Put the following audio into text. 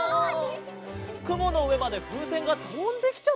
くものうえまでふうせんがとんできちゃったのかな？